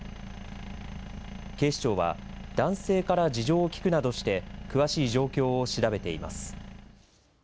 警視庁は、男性から事情を聴くなどして詳しい状況を調べています。